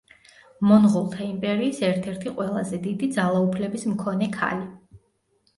მონღოლთა იმპერიის ერთ-ერთი ყველაზე დიდი ძალაუფლების მქონე ქალი.